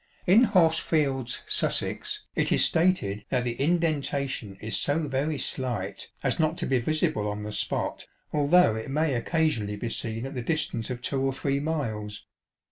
In Horsfield's Sussex it is stated that the *' indentation is so very slight, as not to be visible on the spot, although it may occasionally be seen at the distance of two or three miles."